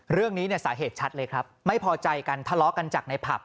เรื่องนี้เนี่ยสาเหตุชัดเลยครับไม่พอใจกันทะเลาะกันจากในผับ